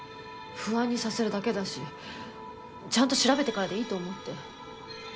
不安にさせるだけだしちゃんと調べてからでいいと思って。